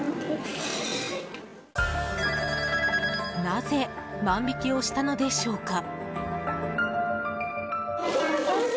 なぜ万引きをしたのでしょうか。